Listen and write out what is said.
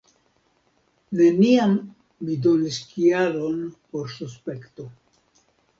Neniam mi donis kialon por suspekto.